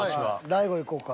大悟いこうか。